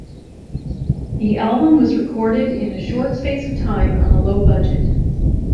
The album was recorded in a short space of time on a low budget.